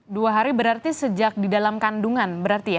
dua hari berarti sejak di dalam kandungan berarti ya